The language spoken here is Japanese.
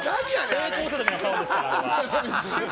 成功した時の顔ですから。